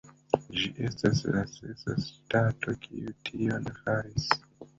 Ĝi estis la ses ŝtato kiu tion faris.